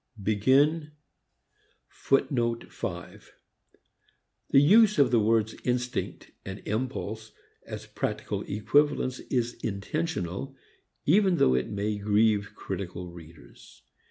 The use of the words instinct and impulse as practical equivalents is intentional, even though it may grieve critical readers.